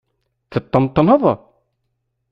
Teṭṭenṭneḍ?